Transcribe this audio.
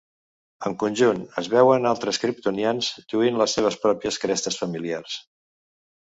En conjunt, es veuen a altres kriptonians lluint les seves pròpies crestes familiars.